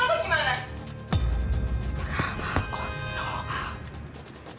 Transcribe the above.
kalau diakuramu lah bagaimana